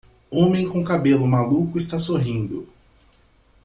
Homem com cabelo maluco está sorrindo.